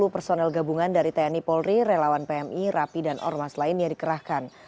lima ratus sembilan puluh personel gabungan dari tni polri relawan pmi rapi dan ormas lain yang dikerahkan